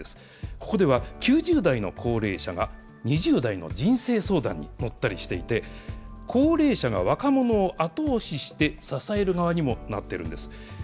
ここでは、９０代の高齢者が２０代の人生相談に乗ったりしていて、高齢者が若者を後押しして支える側にもなってるんです。